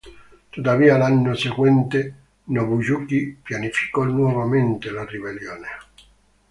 Tuttavia l'anno seguente Nobuyuki pianificò nuovamente la ribellione.